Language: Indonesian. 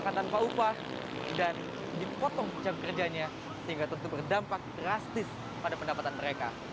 mereka tanpa upah dan dipotong jam kerjanya sehingga tentu berdampak drastis pada pendapatan mereka